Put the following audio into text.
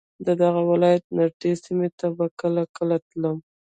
د دغه ولایت نږدې سیمو ته به کله کله تلم.